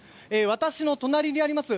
私の隣にあります